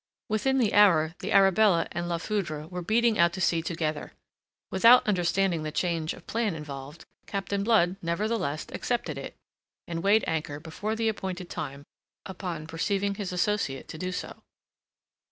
Within the hour the Arabella and La Foudre were beating out to sea together. Without understanding the change of plan involved, Captain Blood, nevertheless, accepted it, and weighed anchor before the appointed time upon perceiving his associate to do so.